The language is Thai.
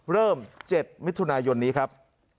เริ่ม๗มิถุนายนนี้ครับ